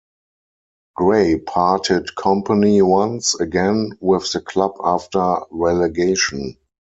Gray parted company once again with the club after relegation.